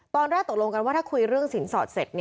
ตอนแรกตกลงกันว่าถ้าคุยเรื่องสินสอดเสร็จ